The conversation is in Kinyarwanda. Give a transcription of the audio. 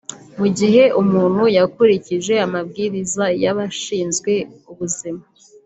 Mu gihe umuntu yakurikije amabwiriza y’abashinzwe ubuzima